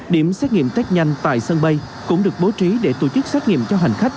điểm xét nghiệm test nhanh tại sân bay cũng được bố trí để tổ chức xét nghiệm cho hành khách